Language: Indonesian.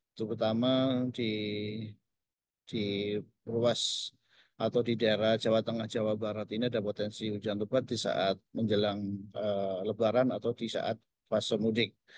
untuk pertama di ruas atau di daerah jawa tengah jawa barat ini ada potensi hujan lebat di saat menjelang lebaran atau di saat fase mudik